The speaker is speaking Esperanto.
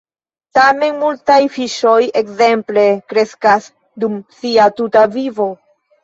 Tamen multaj fiŝoj ekzemple kreskas dum sia tuta vivo.